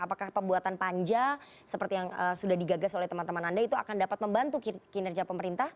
apakah pembuatan panja seperti yang sudah digagas oleh teman teman anda itu akan dapat membantu kinerja pemerintah